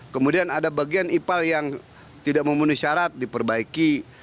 kemudian ada bagian ipal yang tidak memenuhi syarat diperbaiki